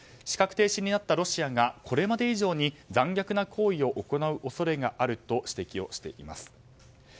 資格停止になったロシアがこれまで以上に残虐な行為を行う恐れがあると指摘をしています。